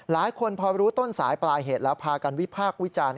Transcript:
หลายคนพอรู้ต้นสายปลายเหตุแล้วพากันวิพากษ์วิจารณ์